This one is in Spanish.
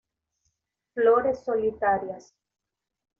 Flores solitarias.